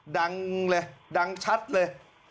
ดังเลยดังชัดเลย